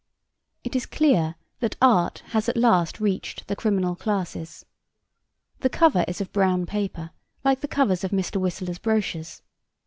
It is clear that art has at last reached the criminal classes. The cover is of brown paper like the covers of Mr. Whistler's brochures.